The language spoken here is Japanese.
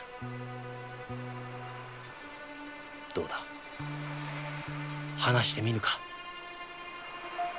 どうだ話してみぬか？